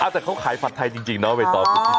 แต่เขาขายฝาดไทยจริงเลิกนะไปต่อปรุงพิษา